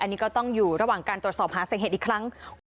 อันนี้ก็ต้องอยู่ระหว่างการตรวจสอบหาสาเหตุอีกครั้ง